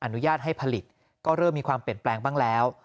อนุญาตให้ผลิตก็เริ่มมีความเปลี่ยนแปลงบ้างแล้ว